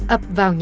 ấp vào nhà